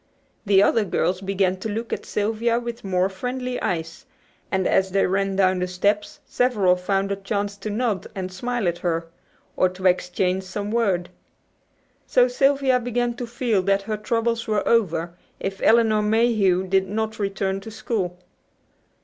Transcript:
The other girls began to look at Sylvia with more friendly eyes, and as they ran down the steps several found a chance to nod and smile at her, or to exchange some word. So Sylvia began to feel that her troubles were over, if Elinor Mayhew did not return to school.